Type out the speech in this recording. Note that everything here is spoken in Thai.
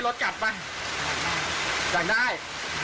รถนั่มันไม่น่ากี่แล้ว